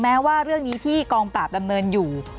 แม้ว่าเรื่องนี้ที่กองปราบดำเนินอยู่